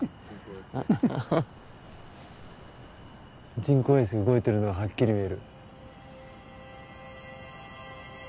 人工衛星動いてるのがはっきり見える。